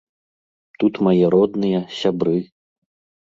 Тут мае родныя, сябры.